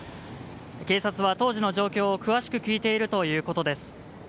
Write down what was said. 警察は当時の状況を詳しく聞いているということです。